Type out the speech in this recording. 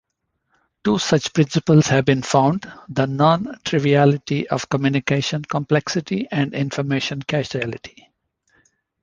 Two such principles have been found, the non-triviality of communication complexity and information causality.